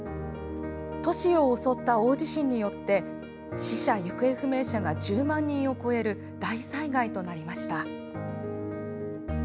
都市を襲った大地震によって死者・行方不明者が１０万人を超える大災害となりました。